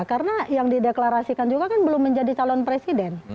karena yang dideklarasikan juga kan belum menjadi calon presiden